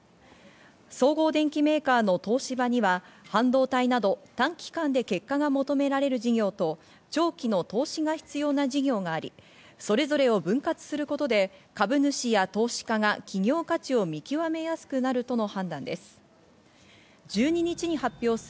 総合電機メーカーの東芝には半導体など短期間で結果が求められる事業と長期の投資が必要な事業があり、それぞれを分割することで株主や投資家が企業価値を見極めやすくなるとの判断です。